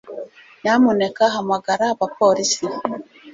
Nyamuneka hamagara abapolisi